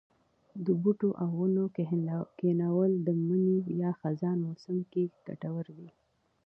د بوټو او ونو کښېنول د مني یا خزان موسم کې کټور دي.